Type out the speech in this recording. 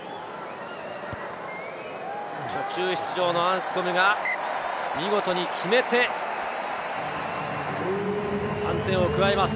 途中出場のアンスコムが見事に決めて、３点を加えます。